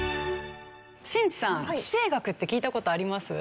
新内さん地政学って聞いた事あります？